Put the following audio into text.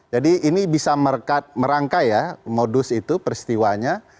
jadi ini bisa merangkai ya modus itu peristiwanya